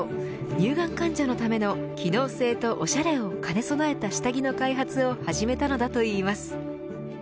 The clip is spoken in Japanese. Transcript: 乳がん患者のための機能性とおしゃれを兼ね備えた下着の開発を始めたのだといいます。